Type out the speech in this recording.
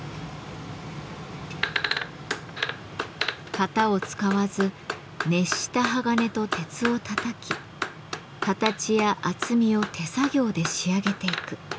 型を使わず熱した鋼と鉄をたたき形や厚みを手作業で仕上げていく。